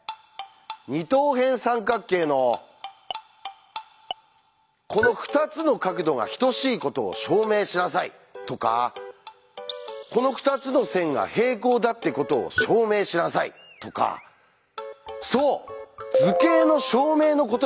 「二等辺三角形のこの２つの角度が等しいことを証明しなさい」とか「この２つの線が平行だってことを証明しなさい」とかそう「図形」の証明のことなんです。